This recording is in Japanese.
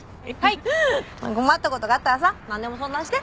困った事があったらさなんでも相談して。